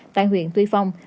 tại huyện tuy phong